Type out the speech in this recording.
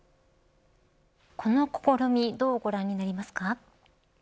この試みどうご覧になりますか。